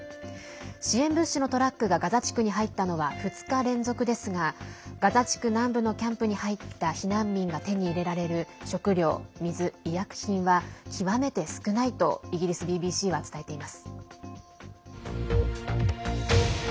支援物資のトラックがガザ地区に入ったのは２日連続ですが、ガザ地区南部のキャンプに入った避難民が手に入れられる食料、水、医薬品は極めて少ないとイギリスＢＢＣは伝えています。